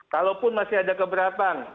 kalaupun masih ada keberatan